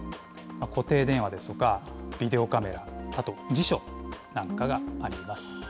固定電話ですとか、ビデオカメラ、あと辞書なんかがあります。